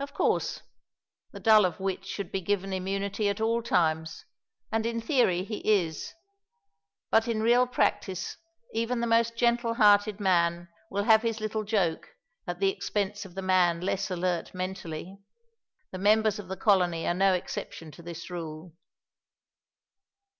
Of course the dull of wit should be given immunity at all times, and in theory he is, but in real practice even the most gentle hearted man will have his little joke at the expense of the man less alert mentally. The members of the Colony are no exception to this rule.